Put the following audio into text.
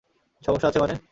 সমস্যা আছে মানে?